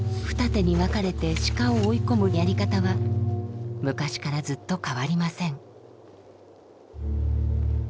二手に分かれて鹿を追い込むやり方は昔からずっと変わりません。